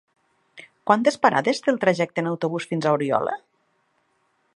Quantes parades té el trajecte en autobús fins a Oriola?